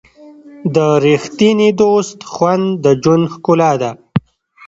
د ریښتیني دوست خوند د ژوند ښکلا ده.